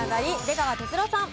出川哲朗さん。